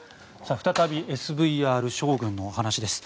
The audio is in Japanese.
再びＳＶＲ将軍のお話です。